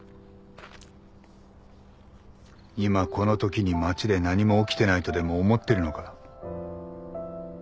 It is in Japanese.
今このときに街で何も起きてないとでも思ってるのか。